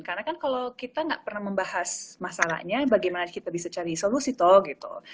karena kan kalau kita nggak pernah membahas masalahnya bagaimana kita bisa cari solusi toh gitu